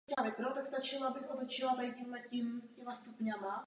Zástavba měla charakter dlouhých bytových domů s malými byty.